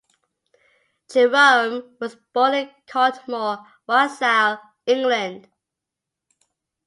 Jerome was born in Caldmore, Walsall, England.